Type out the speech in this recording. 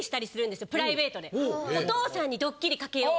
お父さんにドッキリかけよう。